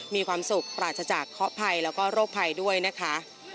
มีความสุขตราจจากเข้าไพรแล้วก็โรคไพรด้วยนะคะ